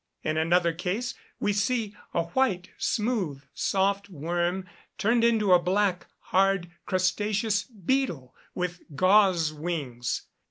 In another case, we see a white, smooth, soft worm, turned into a black, hard, crustaceous beetle, with gauze wings.